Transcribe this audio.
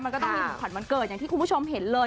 มันก็ต้องมีของขวัญวันเกิดอย่างที่คุณผู้ชมเห็นเลย